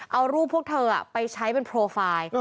เอารูปพวกเธอไปใช้เป็นโปรไฟล์